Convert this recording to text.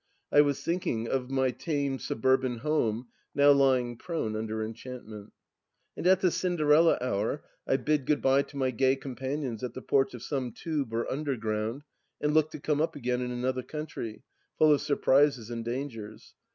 I was thinking of ,, y tame suburban home now lying prone imder enchant ment. ... And at the Cinderella hour, I bid good bye to my gay companions at the porch of some Tube or Underground, and look to come up again in another country, full of surprises and dangers.